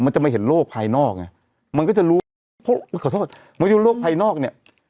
มันจะไม่เห็นโลกภายนอกไงมันก็จะรู้โอ้ขอโทษมันไม่ได้ว่าโลกภายนอกเนี้ย